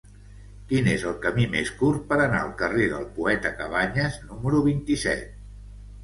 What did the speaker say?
Quin és el camí més curt per anar al carrer del Poeta Cabanyes número vint-i-set?